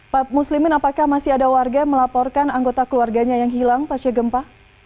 pak muslimin apakah masih ada warga yang melaporkan anggota keluarganya yang hilang pasca gempa